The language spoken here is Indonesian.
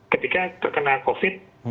ketika terkena covid